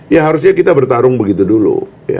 ya harusnya kita bertarung begitu dulu